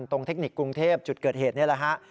เทคนิคกรุงเทพจุดเกิดเหตุนี่แหละฮะ